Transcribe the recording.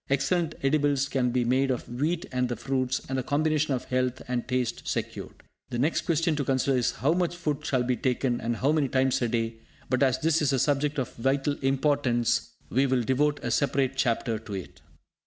Excellent edibles can be made of wheat and the fruits, and a combination of health and taste secured. The next question to consider is how much food should be taken, and how many times a day. But, as this is a subject of vital importance, we will devote a separate chapter to it.